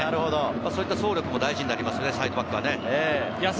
そういった走力も大事になりますね、サイドバックは。